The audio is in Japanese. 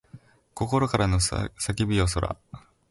心からの叫びよそら